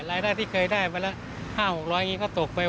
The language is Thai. รายได้ที่เคยได้มาละ๕๖๐๐บาทก็ตกไป